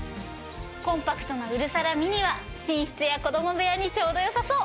コンパクトなうるさらｍｉｎｉは寝室や子供部屋にちょうどよさそう。